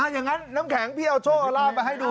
อย่างนั้นน้ำแข็งพี่เอาโชคเอาลาบมาให้ดู